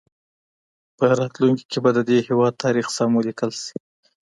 په راتلونکي کي به د دې هېواد تاریخ سم ولیکل سي.